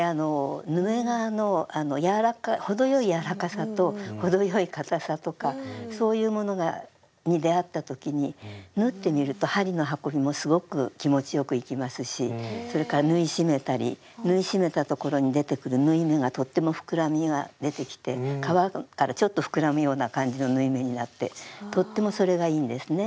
ヌメ革の程よい柔らかさと程よい硬さとかそういうものに出会ったときに縫ってみると針の運びもすごく気持ちよくいきますしそれから縫い締めたり縫い締めたところに出てくる縫い目がとっても膨らみが出てきて革からちょっと膨らむような感じの縫い目になってとってもそれがいいんですね。